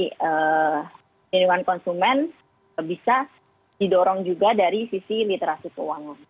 penyelenggaraan konsumen bisa didorong juga dari sisi literatif keuangan